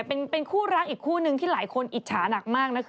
เป็นคู่รักอีกคู่นึงที่หลายคนอิจฉาหนักมากนะ